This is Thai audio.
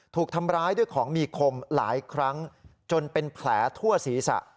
ถูกทำร้ายด้วยของมีคมหลายครั้งจนเป็นแผลทั่วศีรษะ